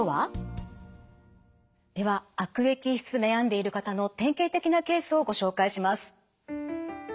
では悪液質で悩んでいる方の典型的なケースをご紹介します。